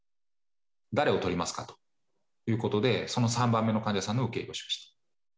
誰を取りますかということで、その３番目の患者さんの受け入れをしました。